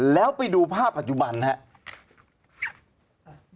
แล้วไปดูภาพปัจจุบันนะครับ